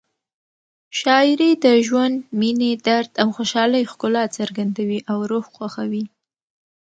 شاعري د ژوند، مینې، درد او خوشحالۍ ښکلا څرګندوي او روح خوښوي.